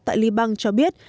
tại liban cho biết